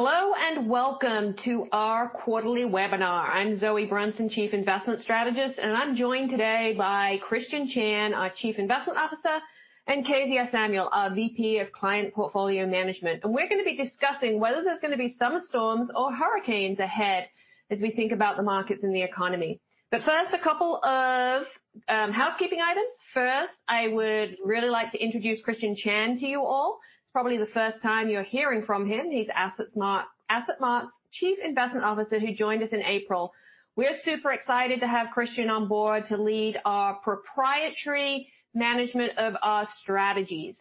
Hello and welcome to our quarterly webinar. I'm Zoe Brunson, Chief Investment Strategist, and I'm joined today by Christian Chan, our Chief Investment Officer, and Kezia Samuel, our VP of Client Portfolio Management. We're gonna be discussing whether there's gonna be some storms or hurricanes ahead as we think about the markets and the economy. First, a couple of housekeeping items. I would really like to introduce Christian Chan to you all. It's probably the first time you're hearing from him. He's AssetMark's Chief Investment Officer who joined us in April. We're super excited to have Christian on board to lead our proprietary management of our strategies.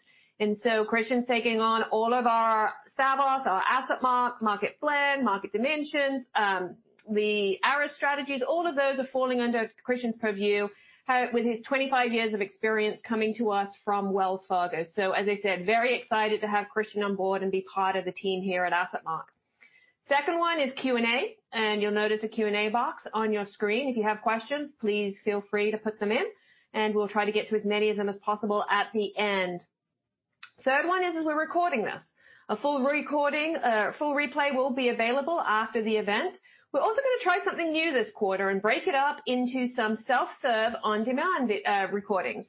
Christian's taking on all of our Savos, our AssetMark Marketplace, Market Dimensions, the Aris strategies, all of those are falling under Christian's purview. With his 25 years of experience coming to us from Wells Fargo. As I said, very excited to have Christian on board and be part of the team here at AssetMark. Second one is Q&A, and you'll notice a Q&A box on your screen. If you have questions, please feel free to put them in, and we'll try to get to as many of them as possible at the end. Third one is, as we're recording this, a full recording, full replay will be available after the event. We're also gonna try something new this quarter and break it up into some self-serve on-demand recordings.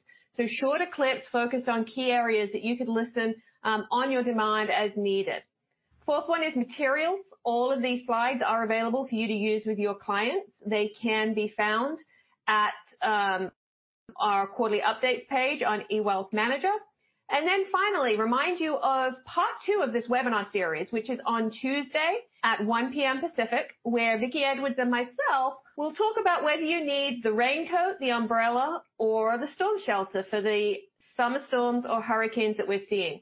Shorter clips focused on key areas that you could listen on demand as needed. Fourth one is materials. All of these slides are available for you to use with your clients. They can be found at, our quarterly updates page on eWealthManager. Finally, remind you of part two of this webinar series, which is on Tuesday at 1:00 P.M. Pacific, where Vickie Edwards and myself will talk about whether you need the raincoat, the umbrella, or the storm shelter for the summer storms or hurricanes that we're seeing.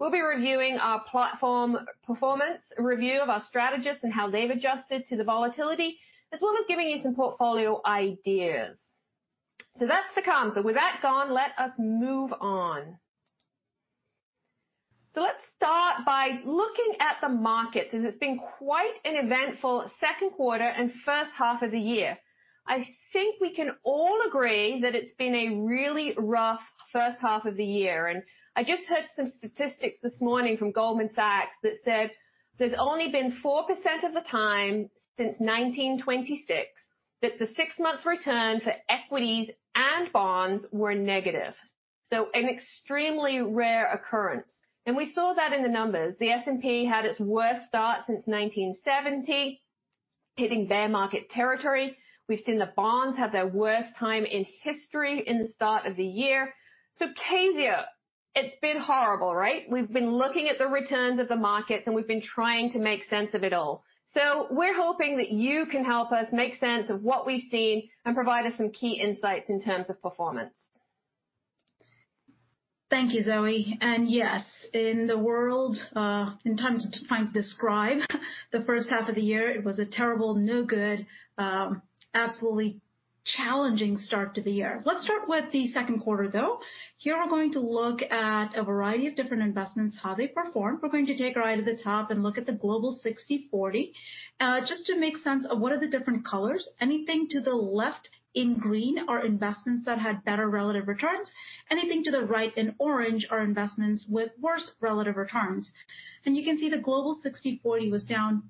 We'll be reviewing our platform performance review of our strategists and how they've adjusted to the volatility, as well as giving you some portfolio ideas. That's to come. With that gone, let us move on. Let's start by looking at the markets, as it's been quite an eventful second quarter and first half of the year. I think we can all agree that it's been a really rough first half of the year. I just heard some statistics this morning from Goldman Sachs that said there's only been 4% of the time since 1926 that the six-month return for equities and bonds were negative. An extremely rare occurrence. We saw that in the numbers. The S&P had its worst start since 1970, hitting bear market territory. We've seen the bonds have their worst time in history in the start of the year. Kezia, it's been horrible, right? We've been looking at the returns of the markets, and we've been trying to make sense of it all. We're hoping that you can help us make sense of what we've seen and provide us some key insights in terms of performance. Thank you, Zoe. Yes, in the world, in terms of trying to describe the first half of the year, it was a terrible, no good, absolutely challenging start to the year. Let's start with the second quarter, though. Here we're going to look at a variety of different investments, how they performed. We're going to take a ride at the top and look at the Global 60/40. Just to make sense of what are the different colors, anything to the left in green are investments that had better relative returns. Anything to the right in orange are investments with worse relative returns. You can see the Global 60/40 was down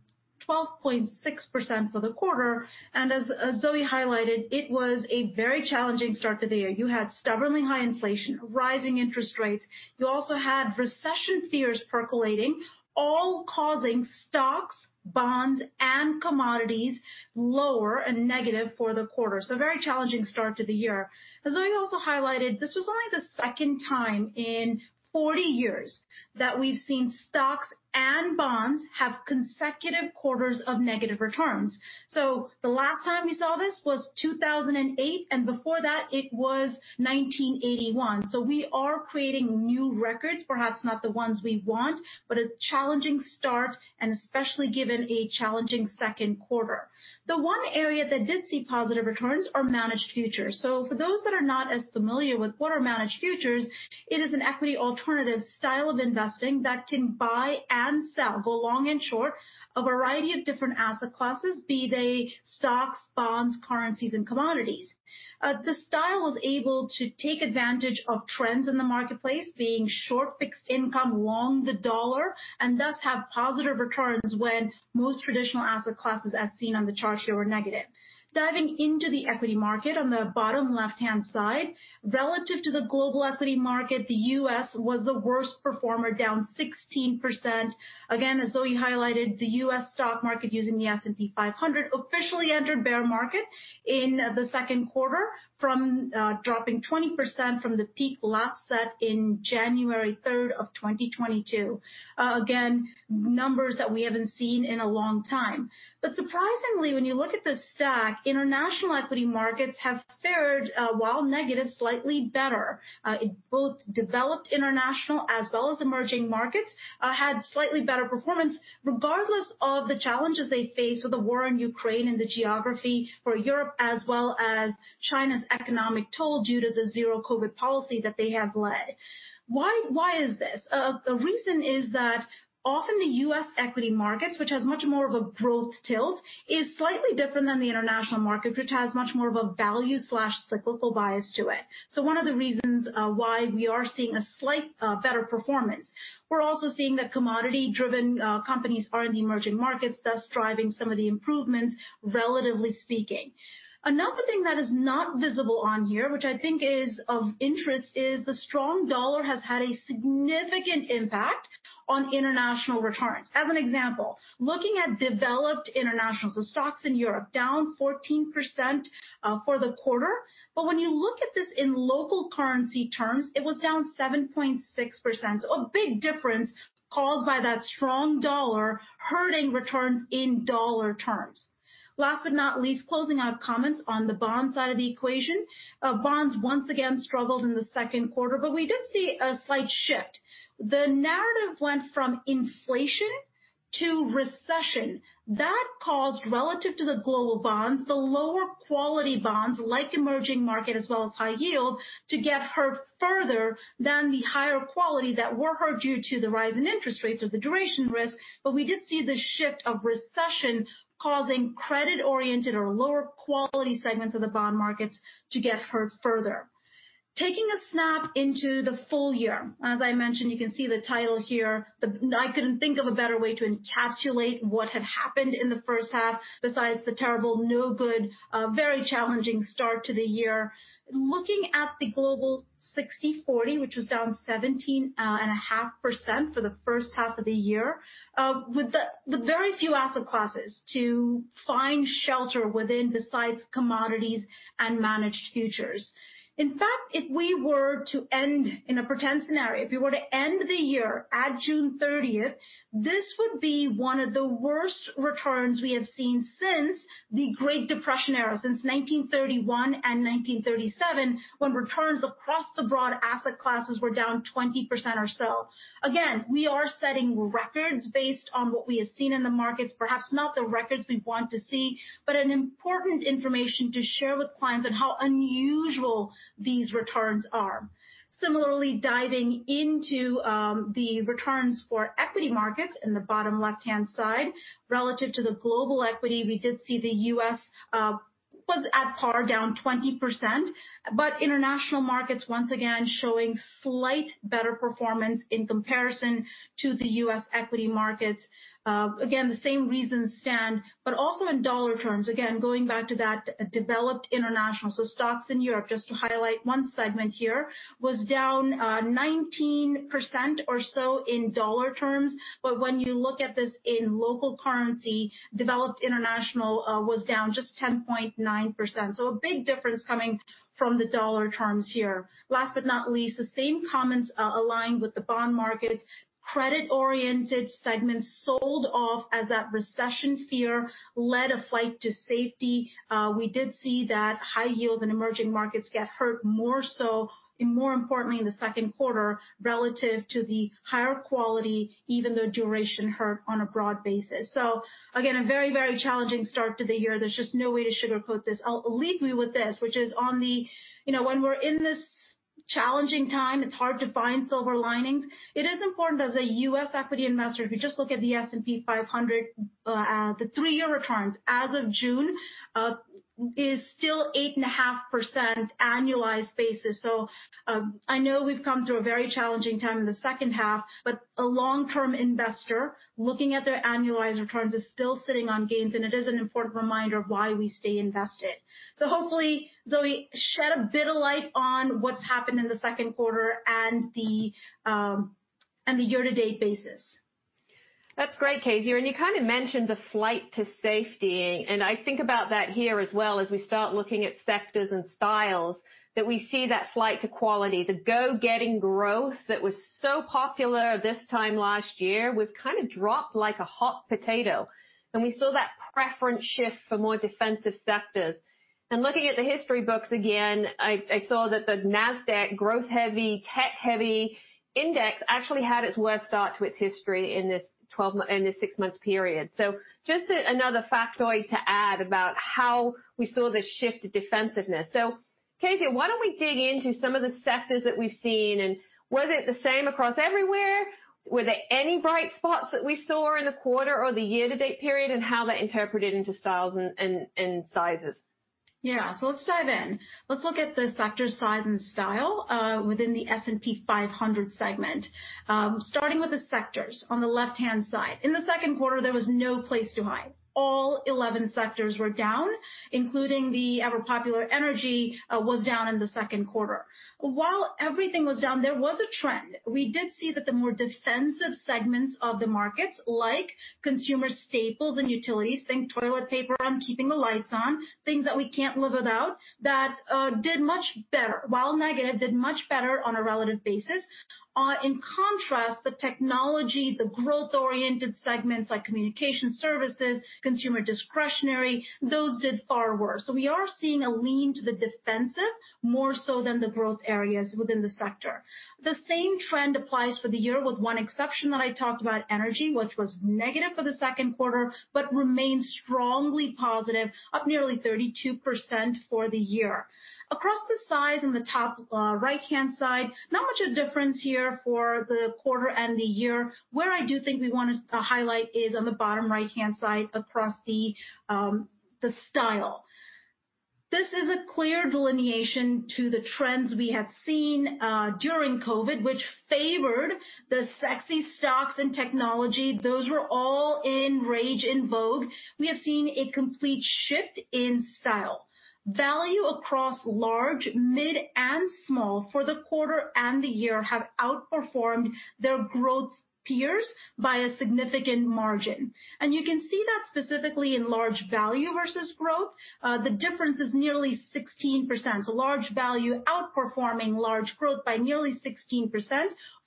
12.6% for the quarter. As Zoe highlighted, it was a very challenging start to the year. You had stubbornly high inflation, rising interest rates. You also had recession fears percolating, all causing stocks, bonds, and commodities lower and negative for the quarter. A very challenging start to the year. As Zoe also highlighted, this was only the second time in 40 years that we've seen stocks and bonds have consecutive quarters of negative returns. The last time we saw this was 2008, and before that, it was 1981. We are creating new records, perhaps not the ones we want, but a challenging start and especially given a challenging second quarter. The one area that did see positive returns are managed futures. For those that are not as familiar with what are managed futures, it is an equity alternative style of investing that can buy and sell, go long and short, a variety of different asset classes, be they stocks, bonds, currencies, and commodities. The style is able to take advantage of trends in the marketplace, being short fixed income, long the dollar, and thus have positive returns when most traditional asset classes, as seen on the chart here, were negative. Diving into the equity market on the bottom left-hand side. Relative to the global equity market, the U.S. was the worst performer, down 16%. Again, as Zoe highlighted, the U.S. stock market using the S&P 500 officially entered bear market in the second quarter from dropping 20% from the peak last set in January 3rd, 2022. Again, numbers that we haven't seen in a long time. Surprisingly, when you look at the stack, international equity markets have fared while negative, slightly better. It both developed international as well as emerging markets had slightly better performance regardless of the challenges they face with the war in Ukraine and the geography for Europe as well as China's economic toll due to the zero-COVID policy that they have led. Why is this? The reason is that often the U.S. equity markets, which has much more of a growth tilt, is slightly different than the international market, which has much more of a value/cyclical bias to it. One of the reasons why we are seeing a slight better performance. We're also seeing that commodity-driven companies are in the emerging markets, thus driving some of the improvements, relatively speaking. Another thing that is not visible on here, which I think is of interest, is the strong dollar has had a significant impact on international returns. As an example, looking at developed internationals, so stocks in Europe, down 14%, for the quarter. When you look at this in local currency terms, it was down 7.6%. A big difference caused by that strong dollar hurting returns in dollar terms. Last but not least, closing out comments on the bonds side of the equation. Bonds once again struggled in the second quarter, but we did see a slight shift. The narrative went from inflation to recession. That caused, relative to the global bonds, the lower quality bonds like emerging markets as well as high yield, to get hurt further than the higher quality that were hurt due to the rise in interest rates or the duration risk. We did see the shift of recession causing credit-oriented or lower quality segments of the bond markets to get hurt further. Taking a snapshot of the full year. As I mentioned, you can see the title here. I couldn't think of a better way to encapsulate what had happened in the first half besides the terrible, no good, very challenging start to the year. Looking at the Global 60/40, which was down 17.5% for the first half of the year, with the very few asset classes to find shelter within, besides commodities and managed futures. In fact, if we were to end in a pretend scenario, if we were to end the year at June 30th, this would be one of the worst returns we have seen since the Great Depression era, since 1931 and 1937, when returns across the broad asset classes were down 20% or so. Again, we are setting records based on what we have seen in the markets. Perhaps not the records we want to see, but an important information to share with clients on how unusual these returns are. Similarly, diving into the returns for equity markets in the bottom left-hand side, relative to the global equity, we did see the U.S. was at par, down 20%, but international markets once again showing slight better performance in comparison to the U.S. equity markets. Again, the same reasons stand, but also in dollar terms. Again, going back to that developed international. Stocks in Europe, just to highlight one segment here, was down 19% or so in dollar terms, but when you look at this in local currency, developed international was down just 10.9%. A big difference coming from the dollar terms here. Last but not least, the same comments align with the bond markets. Credit-oriented segments sold off as that recession fear led a flight to safety. We did see that high yield in emerging markets get hurt more so and more importantly in the second quarter, relative to the higher quality, even though duration hurt on a broad basis. Again, a very, very challenging start to the year. There's just no way to sugarcoat this. I'll leave you with this. You know, when we're in this challenging time, it's hard to find silver linings. It is important as a U.S. equity investor, if you just look at the S&P 500, the three-year returns as of June is still 8.5% annualized basis. I know we've come through a very challenging time in the second half, but a long-term investor looking at their annualized returns is still sitting on gains, and it is an important reminder of why we stay invested. Hopefully, Zoe, shed a bit of light on what's happened in the second quarter and the year to date basis. That's great, Kezia. You kind of mentioned the flight to safety. I think about that here as well as we start looking at sectors and styles that we see that flight to quality. The go-getting growth that was so popular this time last year was kind of dropped like a hot potato, and we saw that preference shift for more defensive sectors. Looking at the history books again, I saw that the Nasdaq growth-heavy, tech-heavy index actually had its worst start to its history in this six months period. Another factoid to add about how we saw this shift to defensiveness. Kezia, why don't we dig into some of the sectors that we've seen, and was it the same across everywhere? Were there any bright spots that we saw in the quarter or the year to date period, and how that translated into styles and sizes? Yeah. Let's dive in. Let's look at the sector size and style within the S&P 500 segment. Starting with the sectors on the left-hand side. In the second quarter, there was no place to hide. All 11 sectors were down, including the ever-popular energy was down in the second quarter. While everything was down, there was a trend. We did see that the more defensive segments of the markets, like Consumer Staples and Utilities, think toilet paper and keeping the lights on, things that we can't live without, that did much better. While negative did much better on a relative basis. In contrast, the Technology, the growth-oriented segments like Communication Services, Consumer Discretionary, those did far worse. We are seeing a lean to the defensive more so than the growth areas within the sector. The same trend applies for the year with one exception that I talked about, energy, which was negative for the second quarter, but remains strongly positive, up nearly 32% for the year. Across the size in the top, right-hand side, not much of a difference here for the quarter and the year. Where I do think we wanna highlight is on the bottom right-hand side across the style. This is a clear delineation to the trends we have seen during COVID, which favored the sexy stocks and technology. Those were all the rage, in vogue. We have seen a complete shift in style. Value across large, mid, and small for the quarter and the year have outperformed their growth peers by a significant margin. You can see that specifically in large value versus growth, the difference is nearly 16%. Large value outperforming large growth by nearly 16%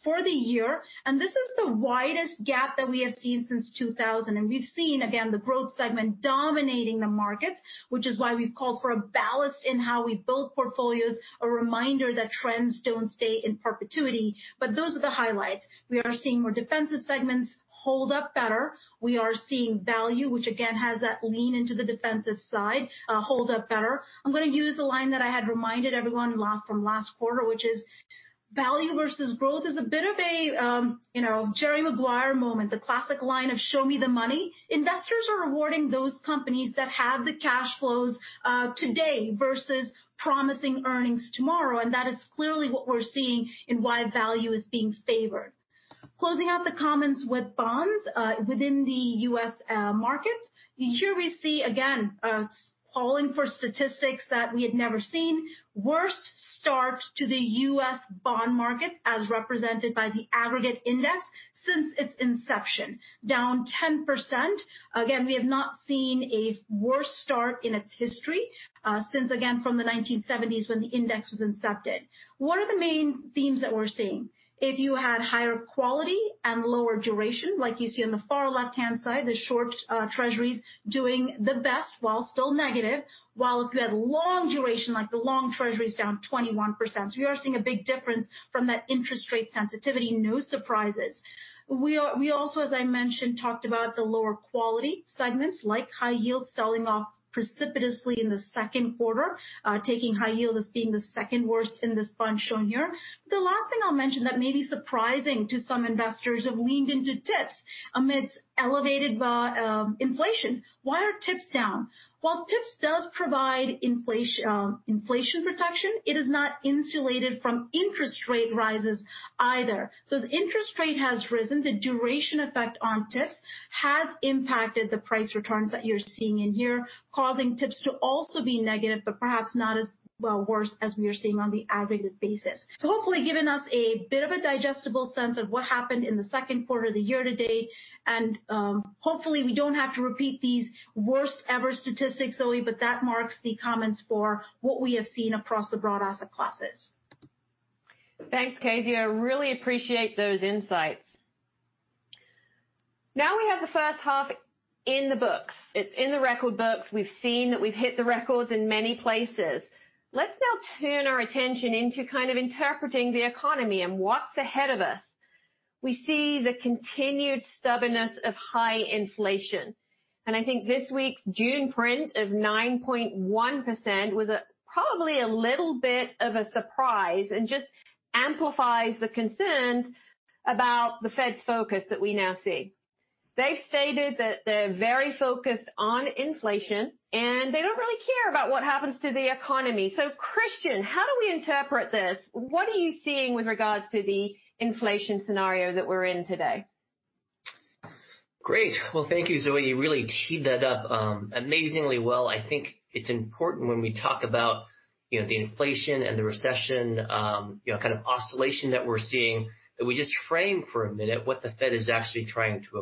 for the year. This is the widest gap that we have seen since 2000. We've seen, again, the growth segment dominating the markets, which is why we've called for a ballast in how we build portfolios, a reminder that trends don't stay in perpetuity. Those are the highlights. We are seeing more defensive segments hold up better. We are seeing value, which again has that lean into the defensive side, hold up better. I'm gonna use a line that I had reminded everyone from last quarter, which is value versus growth is a bit of a, you know, Jerry Maguire moment, the classic line of, "Show me the money." Investors are rewarding those companies that have the cash flows, today versus promising earnings tomorrow. That is clearly what we're seeing in why value is being favored. Closing out the comments with bonds within the U.S. market. Here we see, again, calling for statistics that we had never seen. Worst start to the U.S. bond market as represented by the aggregate index since its inception, down 10%. Again, we have not seen a worse start in its history, since again from the 1970s when the index was incepted. What are the main themes that we're seeing? If you had higher quality and lower duration, like you see on the far left-hand side, the short treasuries doing the best while still negative. While if you had long duration, like the long treasury is down 21%. We are seeing a big difference from that interest rate sensitivity. No surprises. We also, as I mentioned, talked about the lower quality segments, like high yield selling off precipitously in the second quarter, taking high yield as being the second worst in this bunch shown here. The last thing I'll mention that may be surprising to some investors, have leaned into tips amidst elevated inflation. Why are tips down? While tips does provide inflation protection, it is not insulated from interest rate rises either. As interest rate has risen, the duration effect on tips has impacted the price returns that you're seeing in here, causing tips to also be negative, but perhaps not as, well, worse as we are seeing on the aggregated basis. Hopefully given us a bit of a digestible sense of what happened in the second quarter of the year to date. Hopefully, we don't have to repeat these worst-ever statistics, Zoe, but that marks the comments for what we have seen across the broad asset classes. Thanks, Kezia. I really appreciate those insights. Now we have the first half in the books. It's in the record books. We've seen that we've hit the records in many places. Let's now turn our attention into kind of interpreting the economy and what's ahead of us. We see the continued stubbornness of high inflation, and I think this week's June print of 9.1% was a probably a little bit of a surprise and just amplifies the concerns about the Fed's focus that we now see. They've stated that they're very focused on inflation, and they don't really care about what happens to the economy. Christian, how do we interpret this? What are you seeing with regards to the inflation scenario that we're in today? Great. Well, thank you, Zoe. You really teed that up, amazingly well. I think it's important when we talk about, you know, the inflation and the recession, you know, kind of oscillation that we're seeing, that we just frame for a minute what the Fed is actually trying to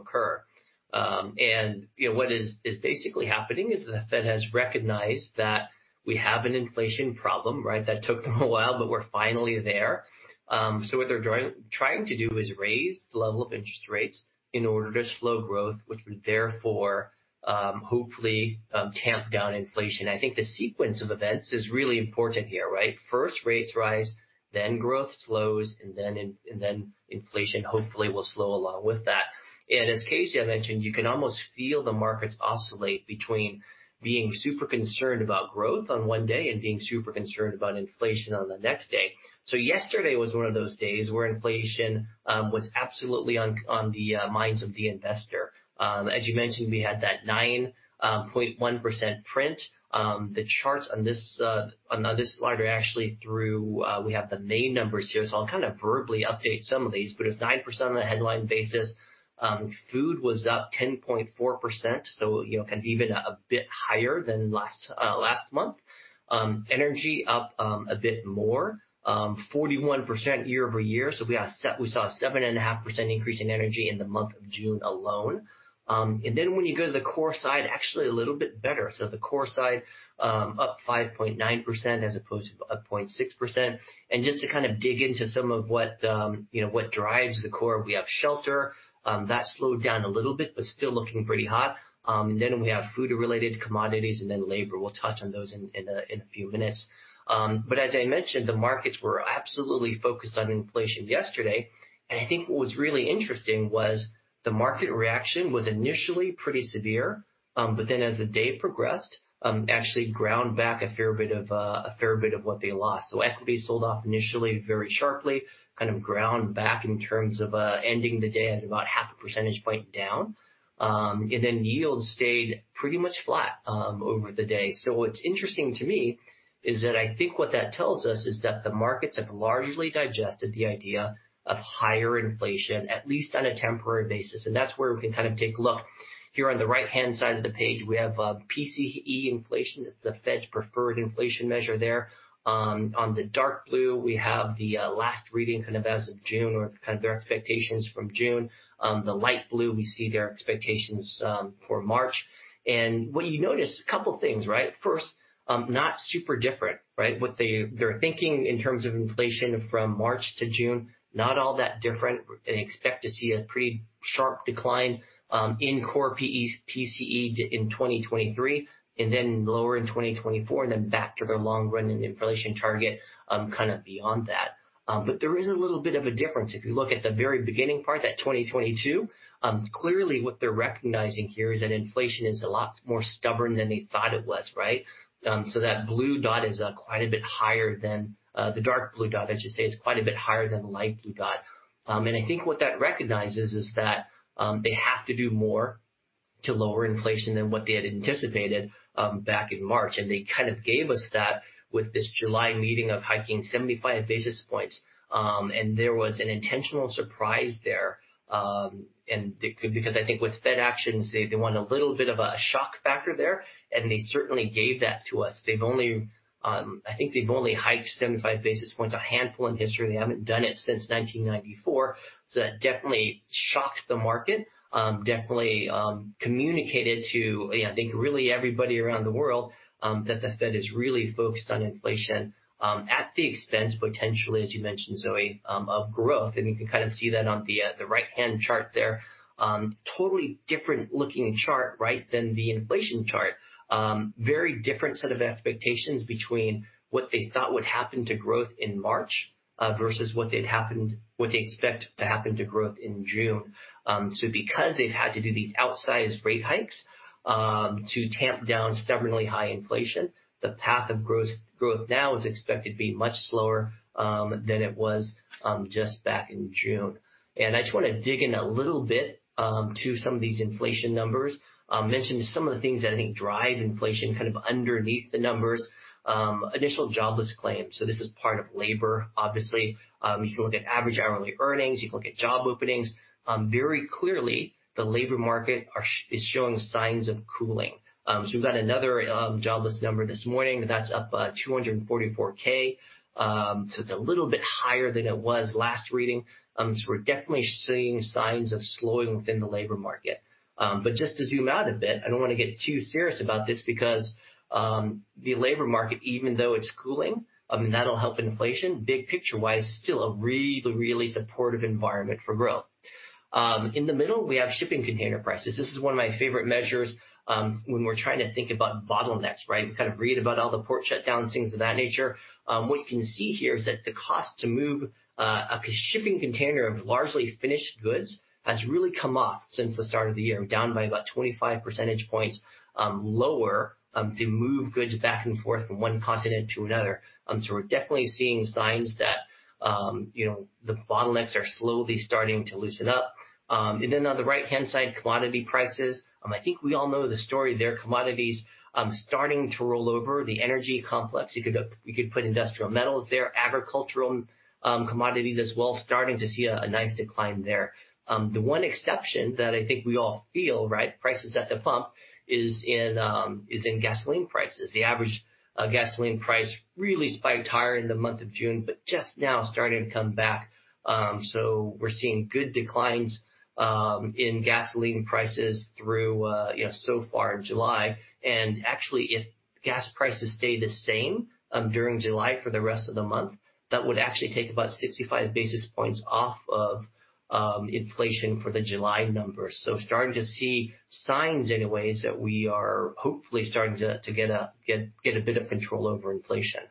achieve. You know, what is basically happening is the Fed has recognized that we have an inflation problem, right? That took them a while, but we're finally there. What they're trying to do is raise the level of interest rates in order to slow growth, which would therefore, hopefully, tamp down inflation. I think the sequence of events is really important here, right? First rates rise, then growth slows, and then inflation hopefully will slow along with that. As Kezia mentioned, you can almost feel the markets oscillate between being super concerned about growth on one day and being super concerned about inflation on the next day. Yesterday was one of those days where inflation was absolutely on the minds of the investor. As you mentioned, we had that 9.1% print. The charts on this slide are actually. We have the main numbers here, so I'll kind of verbally update some of these. It's 9% on a headline basis. Food was up 10.4%, so you know, kind of even a bit higher than last month. Energy up a bit more. 41% year-over-year. We saw a 7.5% increase in energy in the month of June alone. When you go to the core side, actually a little bit better. The core side, up 5.9% as opposed to up 0.6%. Just to kind of dig into some of what, you know, what drives the core. We have shelter that slowed down a little bit, but still looking pretty hot. We have food-related commodities and then labor. We'll touch on those in a few minutes. As I mentioned, the markets were absolutely focused on inflation yesterday. I think what was really interesting was the market reaction was initially pretty severe, but then as the day progressed, actually ground back a fair bit of what they lost. Equity sold off initially very sharply, kind of ground back in terms of ending the day at about 0.5 percentage point down. Yields stayed pretty much flat over the day. What's interesting to me is that I think what that tells us is that the markets have largely digested the idea of higher inflation, at least on a temporary basis. That's where we can kind of take a look. Here on the right-hand side of the page, we have PCE inflation. That's the Fed's preferred inflation measure there. On the dark blue, we have the last reading kind of as of June or kind of their expectations from June. On the light blue, we see their expectations for March. What you notice, a couple things, right? First, not super different, right? What they're thinking in terms of inflation from March to June, not all that different. They expect to see a pretty sharp decline in core PCE in 2023, and then lower in 2024, and then back to their long-running inflation target kind of beyond that. There is a little bit of a difference. If you look at the very beginning part, that 2022, clearly what they're recognizing here is that inflation is a lot more stubborn than they thought it was, right? That blue dot is quite a bit higher than the dark blue dot, I should say, is quite a bit higher than the light blue dot. I think what that recognizes is that they have to do more to lower inflation than what they had anticipated back in March. They kind of gave us that with this July meeting of hiking 75 basis points. There was an intentional surprise there, and because I think with Fed actions, they want a little bit of a shock factor there, and they certainly gave that to us. They've only, I think they've only hiked 75 basis points a handful in history. They haven't done it since 1994. That definitely shocked the market, definitely, communicated to, I think, really everybody around the world, that the Fed is really focused on inflation, at the expense, potentially, as you mentioned, Zoe, of growth. You can kind of see that on the right-hand chart there. Totally different looking chart, right, than the inflation chart. Very different set of expectations between what they thought would happen to growth in March, versus what they expect to happen to growth in June. Because they've had to do these outsized rate hikes, to tamp down stubbornly high inflation, the path of growth now is expected to be much slower, than it was, just back in June. I just wanna dig in a little bit, to some of these inflation numbers. Mention some of the things that I think drive inflation kind of underneath the numbers. Initial jobless claims. This is part of labor, obviously. You can look at average hourly earnings. You can look at job openings. Very clearly, the labor market is showing signs of cooling. We've got another jobless number this morning that's up 244,000. It's a little bit higher than it was last reading. We're definitely seeing signs of slowing within the labor market. Just to zoom out a bit, I don't wanna get too serious about this because the labor market, even though it's cooling, I mean, that'll help inflation, big picture-wise, still a really, really supportive environment for growth. In the middle, we have shipping container prices. This is one of my favorite measures, when we're trying to think about bottlenecks, right? We kind of read about all the port shutdowns, things of that nature. What you can see here is that the cost to move a shipping container of largely finished goods has really come off since the start of the year, down by about 25 percentage points, lower, to move goods back and forth from one continent to another. We're definitely seeing signs that, you know, the bottlenecks are slowly starting to loosen up. On the right-hand side, commodity prices. I think we all know the story there. Commodities, starting to roll over the energy complex. You could put industrial metals there. Agricultural, commodities as well, starting to see a nice decline there. The one exception that I think we all feel, right, prices at the pump is in gasoline prices. The average gasoline price really spiked higher in the month of June, but just now starting to come back. So we're seeing good declines in gasoline prices through, you know, so far in July. Actually, if gas prices stay the same during July for the rest of the month, that would actually take about 65 basis points off of inflation for the July numbers. Starting to see signs anyways that we are hopefully starting to get a bit of control over inflation.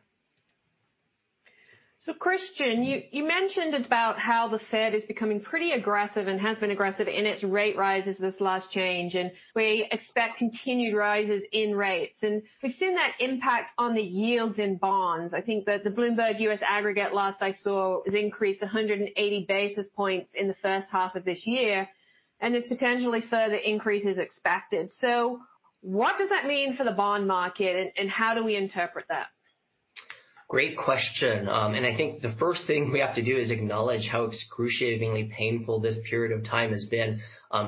Christian, you mentioned about how the Fed is becoming pretty aggressive and has been aggressive in its rate rises this last change, and we expect continued rises in rates. We've seen that impact on the yields in bonds. I think that the Bloomberg U.S. Aggregate last I saw has increased 180 basis points in the first half of this year, and there's potentially further increases expected. What does that mean for the bond market and how do we interpret that? Great question. I think the first thing we have to do is acknowledge how excruciatingly painful this period of time has been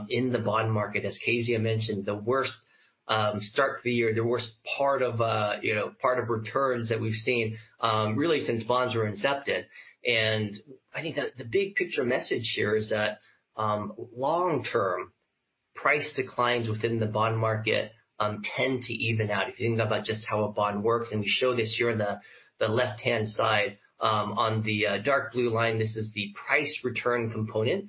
in the bond market. As Kezia mentioned, the worst start to the year, the worst bond returns that we've seen really since bonds were incepted. I think that the big picture message here is that long term price declines within the bond market tend to even out. If you think about just how a bond works, and we show this here on the left-hand side on the dark blue line. This is the price return component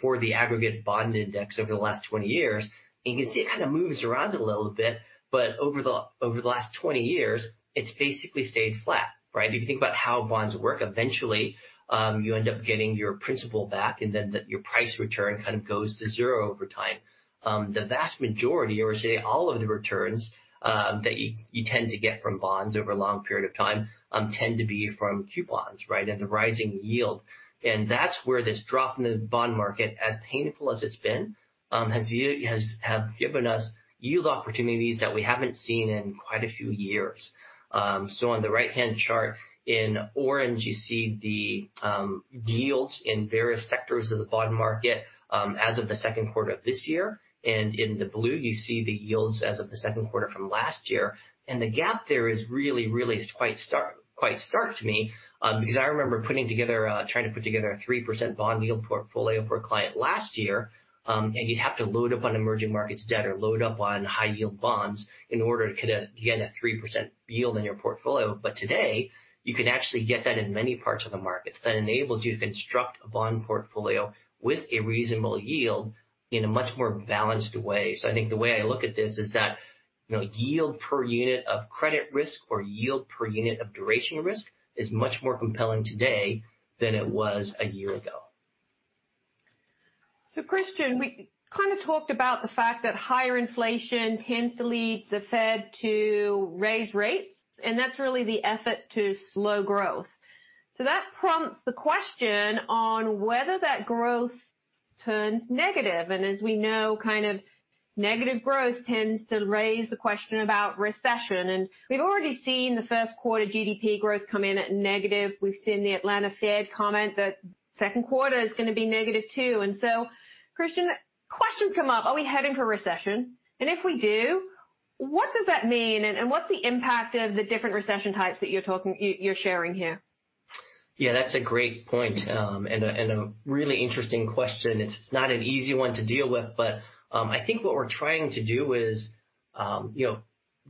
for the aggregate bond index over the last 20 years. You can see it kind of moves around a little bit, but over the last 20 years, it's basically stayed flat. Right? If you think about how bonds work, eventually, you end up getting your principal back and then your price return kind of goes to zero over time. The vast majority or say all of the returns, that you tend to get from bonds over a long period of time, tend to be from coupons, right? The rising yield. That's where this drop in the bond market, as painful as it's been, has given us yield opportunities that we haven't seen in quite a few years. On the right-hand chart in orange, you see the yields in various sectors of the bond market, as of the second quarter of this year. In the blue you see the yields as of the second quarter from last year. The gap there is really quite stark to me, because I remember putting together a 3% bond yield portfolio for a client last year, and you'd have to load up on emerging markets debt or load up on high yield bonds in order to get a 3% yield in your portfolio. Today, you can actually get that in many parts of the markets. That enables you to construct a bond portfolio with a reasonable yield in a much more balanced way. I think the way I look at this is that, you know, yield per unit of credit risk or yield per unit of duration risk is much more compelling today than it was a year ago. Christian, we kind of talked about the fact that higher inflation tends to lead the Fed to raise rates, and that's really the effort to slow growth. That prompts the question on whether that growth turns negative. As we know, kind of negative growth tends to raise the question about recession. We've already seen the first quarter GDP growth come in at negative. We've seen the Atlanta Fed comment that second quarter is gonna be negative too. Christian questions come up, are we heading for recession? If we do, what does that mean? What's the impact of the different recession types that you're sharing here? Yeah, that's a great point, and a really interesting question. It's not an easy one to deal with, but I think what we're trying to do is, you know,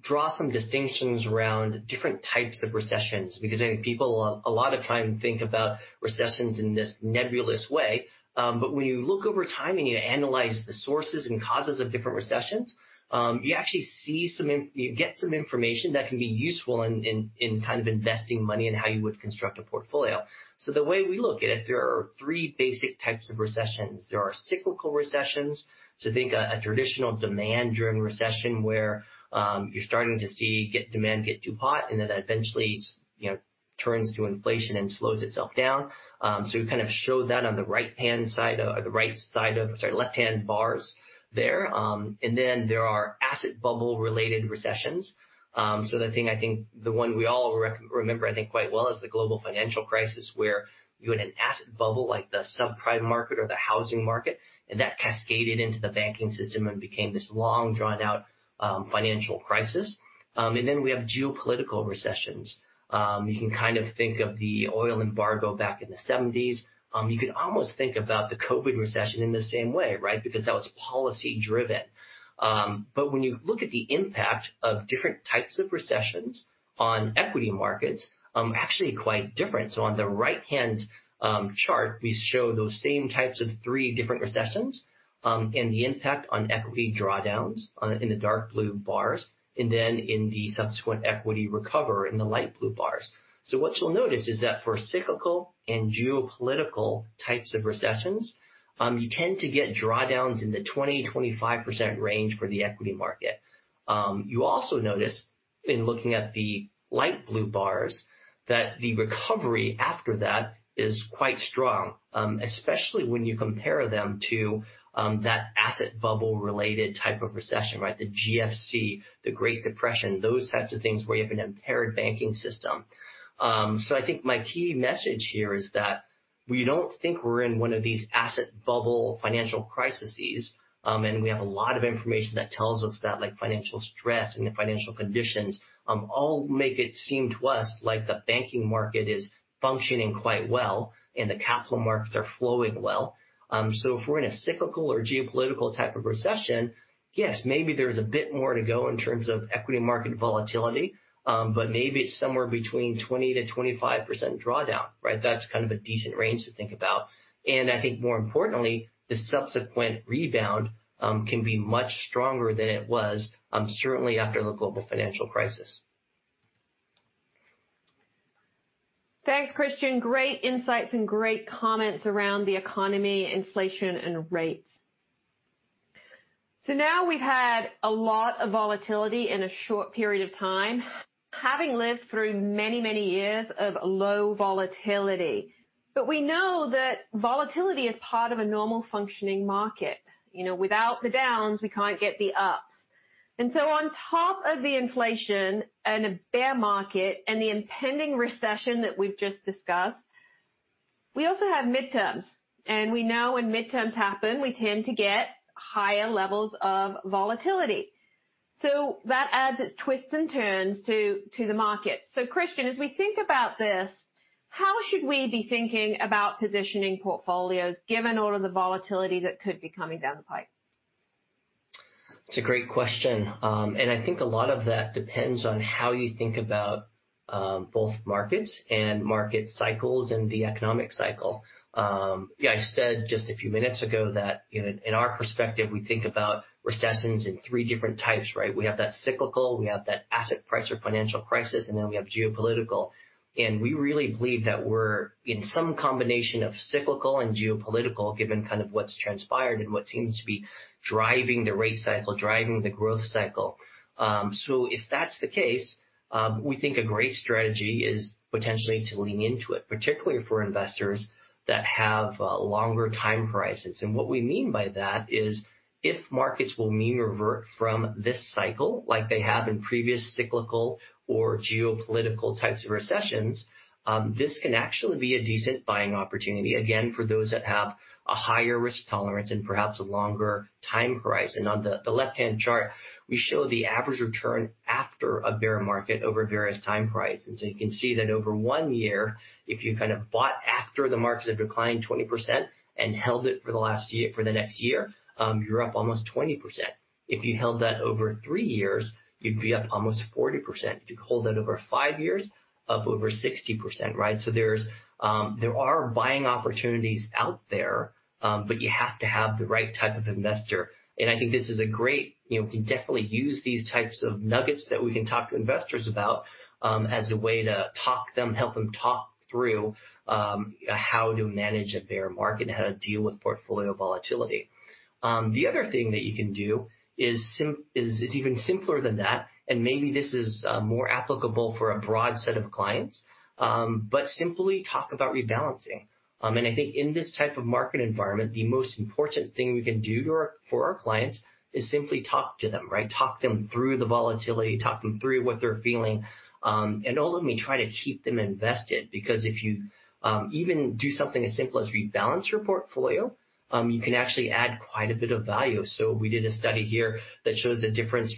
draw some distinctions around different types of recessions, because I think people a lot of times think about recessions in this nebulous way. When you look over time and you analyze the sources and causes of different recessions, you actually see, you get some information that can be useful in investing money and how you would construct a portfolio. The way we look at it, there are three basic types of recessions. There are cyclical recessions. Think of a traditional demand-driven recession where you're starting to see demand get too hot and then that eventually you know, turns to inflation and slows itself down. We kind of show that on the right-hand side or the right side of, sorry, left-hand bars there. Then there are asset bubble related recessions. The thing I think the one we all remember I think quite well is the global financial crisis where you had an asset bubble like the subprime market or the housing market, and that cascaded into the banking system and became this long, drawn out financial crisis. Then we have geopolitical recessions. You can kind of think of the oil embargo back in the seventies. You could almost think about the COVID recession in the same way, right? Because that was policy driven. When you look at the impact of different types of recessions on equity markets, actually quite different. On the right-hand chart, we show those same three types of different recessions, and the impact on equity drawdowns in the dark blue bars and then in the subsequent equity recovery in the light blue bars. What you'll notice is that for cyclical and geopolitical types of recessions, you tend to get drawdowns in the 20%-25% range for the equity market. You also notice in looking at the light blue bars that the recovery after that is quite strong, especially when you compare them to that asset bubble related type of recession, right? The GFC, the Great Depression, those types of things where you have an impaired banking system. I think my key message here is that we don't think we're in one of these asset bubble financial crises. We have a lot of information that tells us that, like financial stress and financial conditions, all make it seem to us like the banking market is functioning quite well and the capital markets are flowing well. If we're in a cyclical or geopolitical type of recession, yes, maybe there's a bit more to go in terms of equity market volatility. Maybe it's somewhere between 20%-25% drawdown, right? That's kind of a decent range to think about. I think more importantly, the subsequent rebound can be much stronger than it was, certainly after the global financial crisis. Thanks, Christian. Great insights and great comments around the economy, inflation and rates. Now we've had a lot of volatility in a short period of time, having lived through many, many years of low volatility. We know that volatility is part of a normal functioning market. You know, without the downs, we can't get the ups. On top of the inflation and a bear market and the impending recession that we've just discussed, we also have midterms. We know when midterms happen, we tend to get higher levels of volatility. That adds its twists and turns to the market. Christian, as we think about this, how should we be thinking about positioning portfolios given all of the volatility that could be coming down the pipe? It's a great question. I think a lot of that depends on how you think about both markets and market cycles and the economic cycle. Yeah, I said just a few minutes ago that in our perspective, we think about recessions in three different types, right? We have that cyclical, we have that asset price or financial crisis, and then we have geopolitical. We really believe that we're in some combination of cyclical and geopolitical given kind of what's transpired and what seems to be driving the rate cycle, driving the growth cycle. If that's the case, we think a great strategy is potentially to lean into it, particularly for investors that have longer time horizons. What we mean by that is if markets will mean revert from this cycle, like they have in previous cyclical or geopolitical types of recessions, this can actually be a decent buying opportunity, again, for those that have a higher risk tolerance and perhaps a longer time horizon. On the left-hand chart, we show the average return after a bear market over various time horizons. You can see that over one year, if you kind of bought after the markets have declined 20% and held it for the next year, you're up almost 20%. If you held that over three years, you'd be up almost 40%. If you hold that over five years, up over 60%, right? There are buying opportunities out there, but you have to have the right type of investor. I think this is a great. You know, we can definitely use these types of nuggets that we can talk to investors about, as a way to talk to them, help them talk through, how to manage a bear market and how to deal with portfolio volatility. The other thing that you can do is even simpler than that, and maybe this is more applicable for a broad set of clients, but simply talk about rebalancing. I think in this type of market environment, the most important thing we can do for our clients is simply talk to them, right? Talk them through the volatility, talk them through what they're feeling, and ultimately try to keep them invested, because if you even do something as simple as rebalance your portfolio, you can actually add quite a bit of value. We did a study here that shows the difference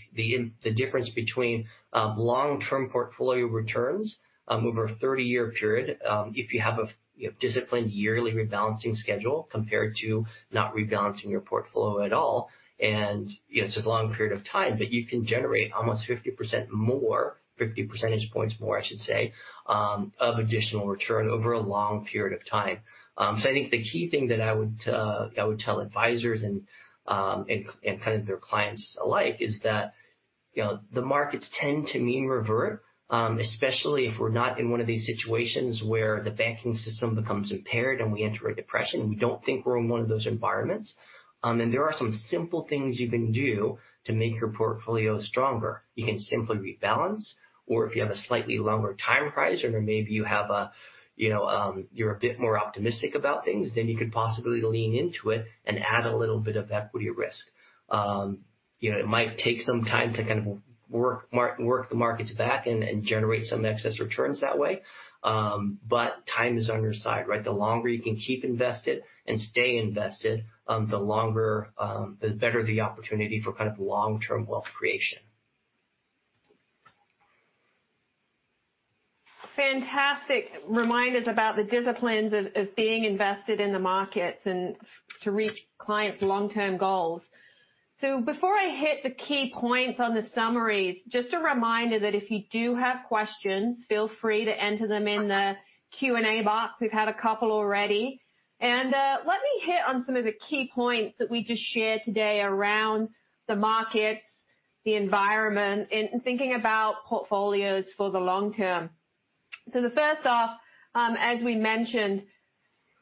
between long-term portfolio returns over a 30-year period if you have a, you know, disciplined yearly rebalancing schedule compared to not rebalancing your portfolio at all. You know, it's a long period of time, but you can generate almost 50% more, 50 percentage points more, I should say, of additional return over a long period of time. I think the key thing that I would tell advisors and kind of their clients alike is that, you know, the markets tend to mean revert, especially if we're not in one of these situations where the banking system becomes impaired and we enter a depression. We don't think we're in one of those environments. There are some simple things you can do to make your portfolio stronger. You can simply rebalance or if you have a slightly longer time horizon or maybe you have a, you know, you're a bit more optimistic about things, then you could possibly lean into it and add a little bit of equity risk. You know, it might take some time to kind of work the markets back and generate some excess returns that way. Time is on your side, right? The longer you can keep invested and stay invested, the longer the better the opportunity for kind of long-term wealth creation. Fantastic reminders about the disciplines of being invested in the markets and to reach clients' long-term goals. Before I hit the key points on the summaries, just a reminder that if you do have questions, feel free to enter them in the Q&A box. We've had a couple already. Let me hit on some of the key points that we just shared today around the markets, the environment, and thinking about portfolios for the long term. The first off, as we mentioned,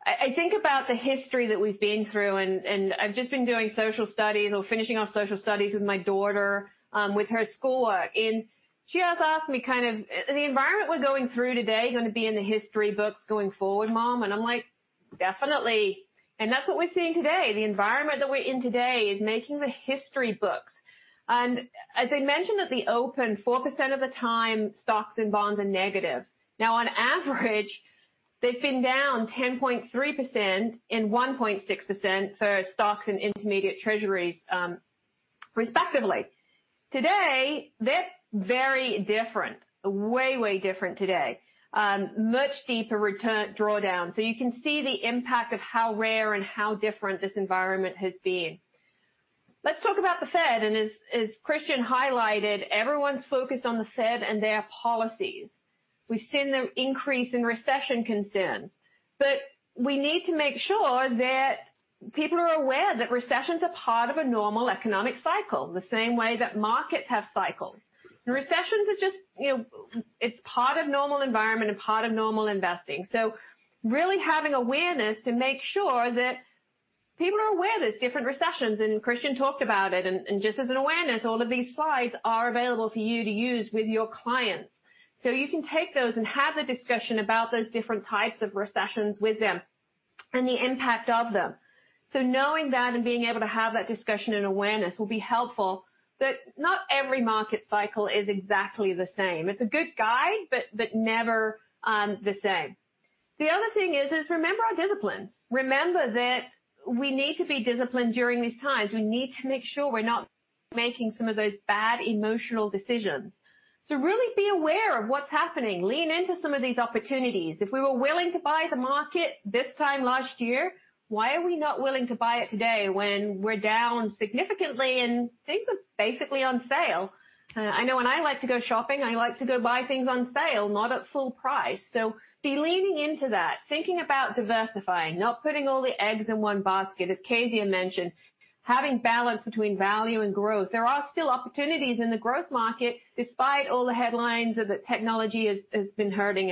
I think about the history that we've been through and I've just been doing social studies or finishing off social studies with my daughter with her schoolwork. She has asked me kind of, "The environment we're going through today, gonna be in the history books going forward, Mom?" I'm like, "Definitely." That's what we're seeing today. The environment that we're in today is making the history books. As I mentioned at the open, 4% of the time, stocks and bonds are negative. Now, on average, they've been down 10.3% and 1.6% for stocks and intermediate Treasuries, respectively. Today, they're very different. Way, way different today. Much deeper return drawdown. You can see the impact of how rare and how different this environment has been. Let's talk about the Fed. As Christian highlighted, everyone's focused on the Fed and their policies. We've seen them increase in recession concerns, but we need to make sure that people are aware that recessions are part of a normal economic cycle, the same way that markets have cycles. Recessions are just, you know, it's part of normal environment and part of normal investing. Really having awareness to make sure that people are aware there's different recessions, and Christian talked about it. Just as an awareness, all of these slides are available for you to use with your clients. You can take those and have the discussion about those different types of recessions with them and the impact of them. Knowing that and being able to have that discussion and awareness will be helpful, but not every market cycle is exactly the same. It's a good guide, but never the same. The other thing is remember our disciplines. Remember that we need to be disciplined during these times. We need to make sure we're not making some of those bad emotional decisions. Really be aware of what's happening. Lean into some of these opportunities. If we were willing to buy the market this time last year, why are we not willing to buy it today when we're down significantly and things are basically on sale? I know when I like to go shopping, I like to go buy things on sale, not at full price. Be leaning into that, thinking about diversifying, not putting all the eggs in one basket. As Kezia mentioned, having balance between value and growth. There are still opportunities in the growth market despite all the headlines that the technology has been hurting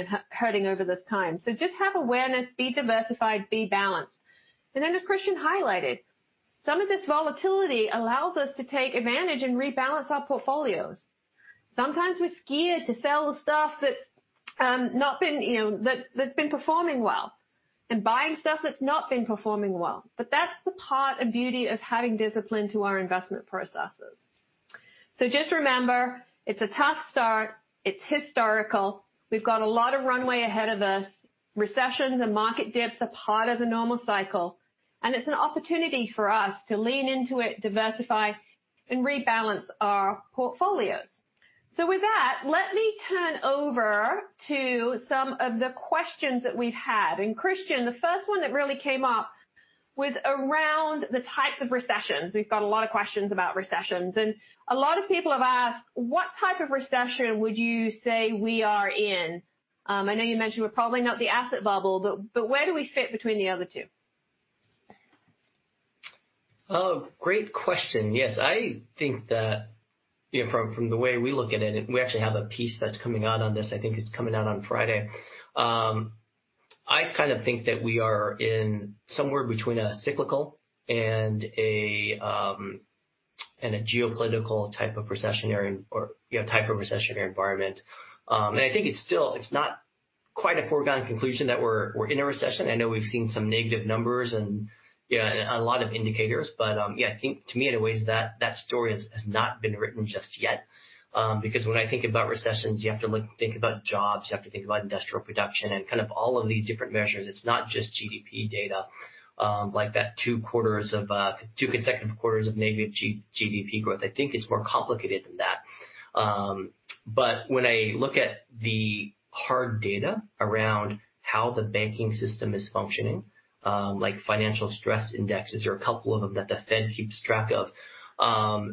over this time. Just have awareness, be diversified, be balanced. As Christian highlighted, some of this volatility allows us to take advantage and rebalance our portfolios. Sometimes we're scared to sell the stuff that's been performing well and buying stuff that's not been performing well. That's the part and beauty of having discipline to our investment processes. Just remember, it's a tough start. It's historical. We've got a lot of runway ahead of us. Recessions and market dips are part of the normal cycle, and it's an opportunity for us to lean into it, diversify, and rebalance our portfolios. With that, let me turn over to some of the questions that we've had. Christian, the first one that really came up was around the types of recessions. We've got a lot of questions about recessions, and a lot of people have asked, "What type of recession would you say we are in?" I know you mentioned we're probably not the asset bubble, but where do we fit between the other two? Oh, great question. Yes. I think that, you know, from the way we look at it, and we actually have a piece that's coming out on this, I think it's coming out on Friday. I kind of think that we are in somewhere between a cyclical and a geopolitical type of recessionary or, you know, type of recessionary environment. I think it's still not quite a foregone conclusion that we're in a recession. I know we've seen some negative numbers and, you know, a lot of indicators, but yeah, I think to me in a way is that that story has not been written just yet. Because when I think about recessions, you have to think about jobs, you have to think about industrial production and kind of all of these different measures. It's not just GDP data, like that two consecutive quarters of negative GDP growth. I think it's more complicated than that. When I look at the hard data around how the banking system is functioning, like financial stress indexes, there are a couple of them that the Fed keeps track of.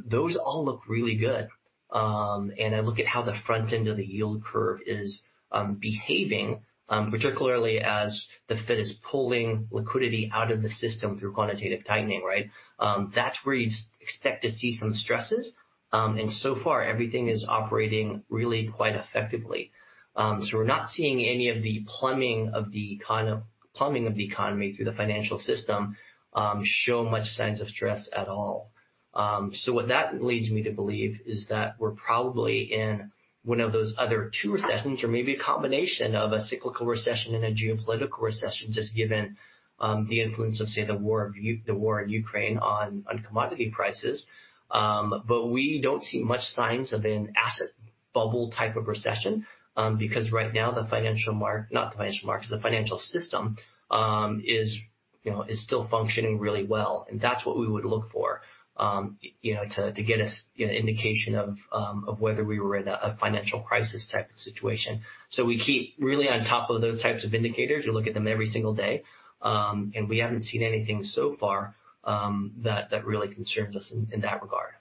Those all look really good. I look at how the front end of the yield curve is behaving, particularly as the Fed is pulling liquidity out of the system through quantitative tightening, right? That's where you expect to see some stresses. So far, everything is operating really quite effectively. We're not seeing any of the plumbing of the economy through the financial system showing much signs of stress at all. What that leads me to believe is that we're probably in one of those other two recessions or maybe a combination of a cyclical recession and a geopolitical recession, just given the influence of, say, the war in Ukraine on commodity prices. We don't see much signs of an asset bubble type of recession, because right now the financial system, you know, is still functioning really well. That's what we would look for, you know, to get us indication of whether we were in a financial crisis type of situation. We keep really on top of those types of indicators. We look at them every single day. We haven't seen anything so far that really concerns us in that regard.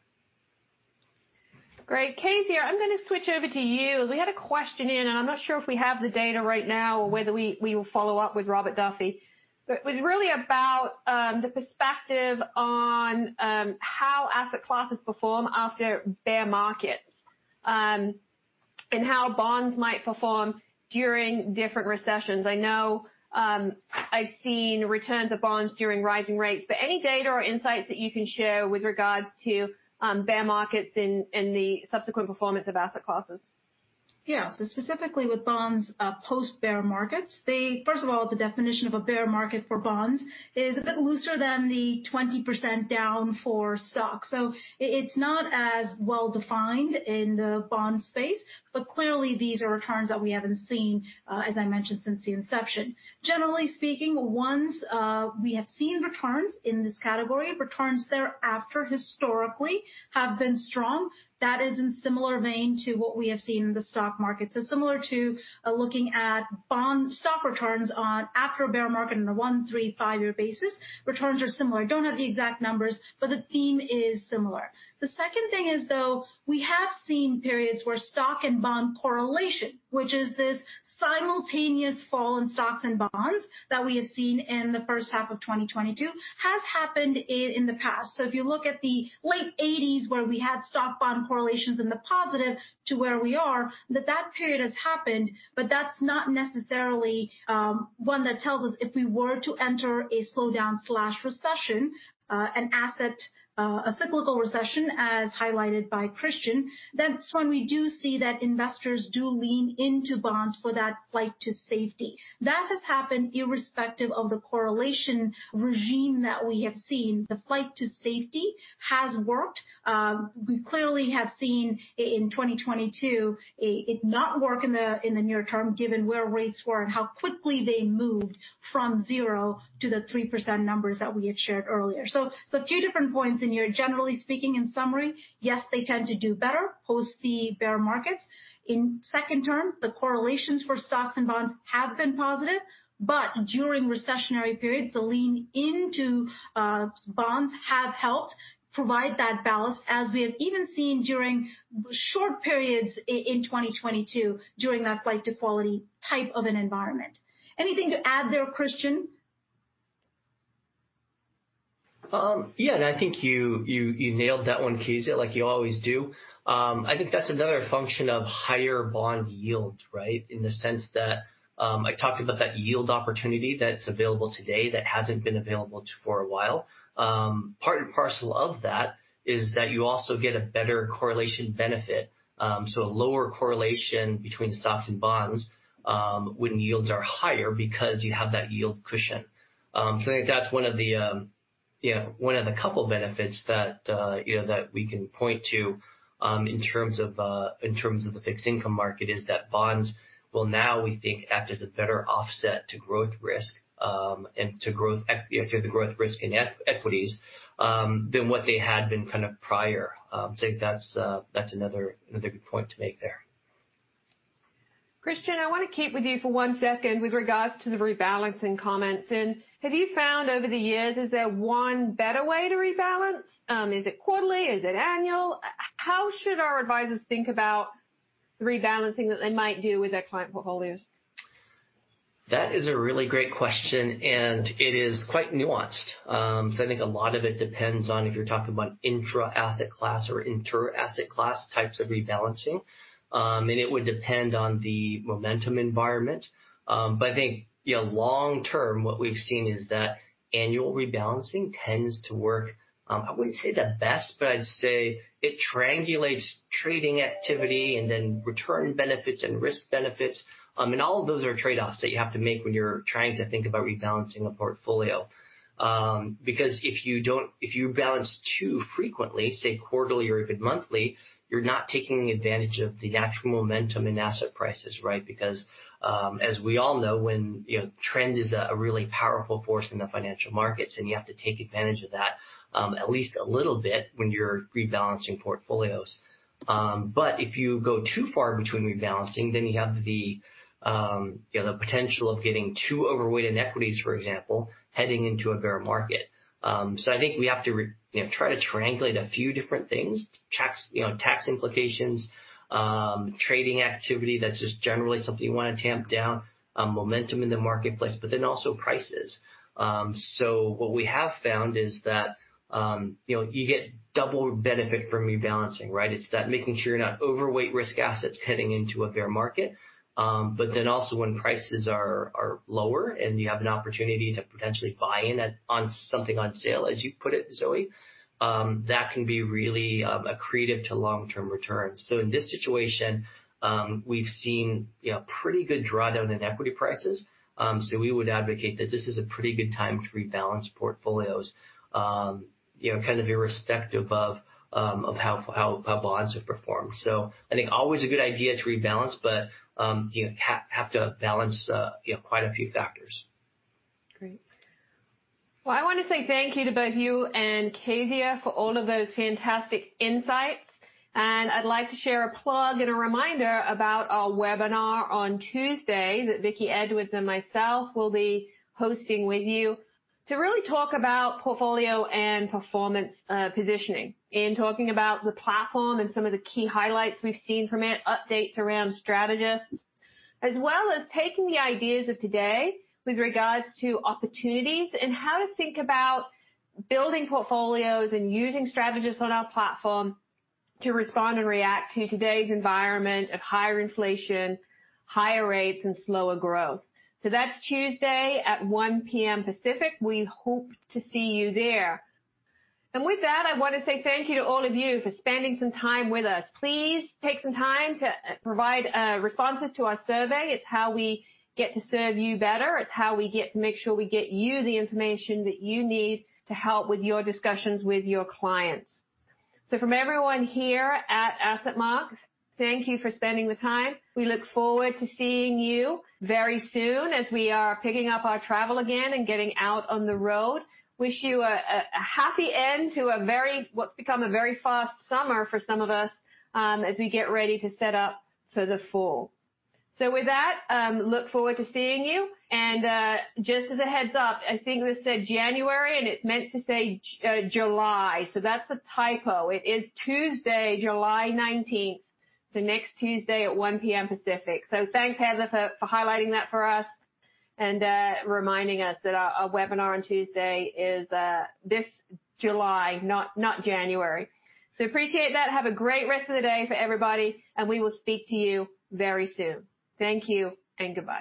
Great. Kezia, I'm gonna switch over to you. We had a question in, and I'm not sure if we have the data right now or whether we will follow up with Robert Duffy. It was really about the perspective on how asset classes perform after bear markets, and how bonds might perform during different recessions. I know I've seen returns of bonds during rising rates, but any data or insights that you can share with regards to bear markets and the subsequent performance of asset classes. Yeah. Specifically with bonds, post-bear markets. First of all, the definition of a bear market for bonds is a bit looser than the 20% down for stocks. It's not as well-defined in the bond space, but clearly, these are returns that we haven't seen, as I mentioned, since the inception. Generally speaking, once we have seen returns in this category, returns thereafter historically have been strong. That is in similar vein to what we have seen in the stock market. Similar to looking at bond and stock returns after a bear market on a one-year, three-year, five-year basis. Returns are similar. Don't have the exact numbers, but the theme is similar. The second thing is, though, we have seen periods where stock and bond correlation, which is this simultaneous fall in stocks and bonds that we have seen in the first half of 2022, has happened in the past. If you look at the late 1980s where we had stock-bond correlations in the positive, too, where we are, that period has happened, but that's not necessarily one that tells us if we were to enter a slowdown or recession, an asset. A cyclical recession as highlighted by Christian, that's when we do see that investors do lean into bonds for that flight to safety. That has happened irrespective of the correlation regime that we have seen. The flight to safety has worked. We clearly have seen in 2022 it not work in the near term, given where rates were and how quickly they moved from 0% to the 3% numbers that we had shared earlier. Generally speaking, in summary, yes, they tend to do better post the bear markets. In second term, the correlations for stocks and bonds have been positive, but during recessionary periods, the lean into bonds have helped provide that balance as we have even seen during short periods in 2022 during that flight to quality type of an environment. Anything to add there, Christian? Yeah, I think you nailed that one, Kezia, like you always do. I think that's another function of higher bond yields, right? In the sense that, I talked about that yield opportunity that's available today that hasn't been available for a while. Part and parcel of that is that you also get a better correlation benefit, so a lower correlation between stocks and bonds, when yields are higher because you have that yield cushion. I think that's one of the, you know, one of the couple benefits that, you know, that we can point to, in terms of, in terms of the fixed income market, is that bonds will now, we think, act as a better offset to growth risk, and to the growth risk in equities, than what they had been kind of prior. That's another good point to make there. Christian, I wanna keep with you for one second with regards to the rebalancing comments. Have you found over the years, is there one better way to rebalance? Is it quarterly? Is it annual? How should our advisors think about the rebalancing that they might do with their client portfolios? That is a really great question, and it is quite nuanced. I think a lot of it depends on if you're talking about intra-asset class or inter-asset class types of rebalancing. It would depend on the momentum environment. I think, you know, long term, what we've seen is that annual rebalancing tends to work. I wouldn't say the best, but I'd say it triangulates trading activity and then return benefits and risk benefits. All of those are trade-offs that you have to make when you're trying to think about rebalancing a portfolio. Because if you balance too frequently, say quarterly or even monthly, you're not taking advantage of the natural momentum in asset prices, right? Because, as we all know, when you know, trend is a really powerful force in the financial markets, and you have to take advantage of that, at least a little bit when you're rebalancing portfolios. If you go too far between rebalancing, then you have the, you know, the potential of getting too overweight in equities, for example, heading into a bear market. I think we have to, you know, try to triangulate a few different things. Tax, you know, tax implications, trading activity, that's just generally something you wanna tamp down, momentum in the marketplace, but then also prices. What we have found is that, you know, you get double benefit from rebalancing, right? It's that making sure you're not overweight risk assets heading into a bear market. When prices are lower and you have an opportunity to potentially buy in at on something on sale, as you put it, Zoe, that can be really accretive to long-term returns. In this situation, we've seen you know pretty good drawdown in equity prices. We would advocate that this is a pretty good time to rebalance portfolios you know kind of irrespective of of how how bonds have performed. I think always a good idea to rebalance, but you have to balance you know quite a few factors. Great. Well, I wanna say thank you to both you and Kezia for all of those fantastic insights. I'd like to share a plug and a reminder about our webinar on Tuesday that Vickie Edwards and myself will be hosting with you to really talk about portfolio and performance, positioning. Talking about the platform and some of the key highlights we've seen from it, updates around strategists, as well as taking the ideas of today with regards to opportunities and how to think about building portfolios and using strategies on our platform to respond and react to today's environment of higher inflation, higher rates and slower growth. That's Tuesday at 1:00 P.M. Pacific. We hope to see you there. With that, I wanna say thank you to all of you for spending some time with us. Please take some time to provide responses to our survey. It's how we get to serve you better. It's how we get to make sure we get you the information that you need to help with your discussions with your clients. From everyone here at AssetMark, thank you for spending the time. We look forward to seeing you very soon as we are picking up our travel again and getting out on the road. Wish you a happy end to what's become a very fast summer for some of us, as we get ready to set up for the fall. With that, look forward to seeing you. Just as a heads up, I think this said January, and it's meant to say July. That's a typo. It is Tuesday, July 19th, so next Tuesday at 1:00 P.M. Pacific. Thanks, Heather, for highlighting that for us and reminding us that our webinar on Tuesday is this July, not January. Appreciate that. Have a great rest of the day for everybody, and we will speak to you very soon. Thank you and goodbye.